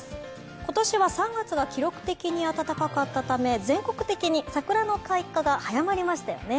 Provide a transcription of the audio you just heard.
今年は３月が記録的に暖かかったため全国的に桜の開花が早まりましたよね。